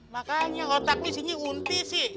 makanya otak di sini unti sih